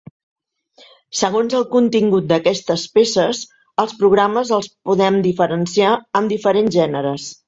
Segons el contingut d'aquestes peces, els programes els podem diferenciar en diferents gèneres.